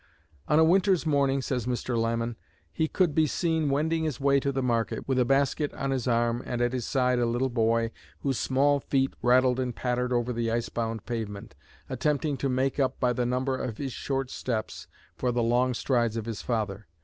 "On a winter's morning," says Mr. Lamon, "he could be seen wending his way to the market, with a basket on his arm and at his side a little boy whose small feet rattled and pattered over the ice bound pavement, attempting to make up by the number of his short steps for the long strides of his father.